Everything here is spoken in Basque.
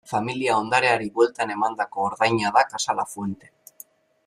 Familia ondareari bueltan emandako ordaina da Casa Lafuente.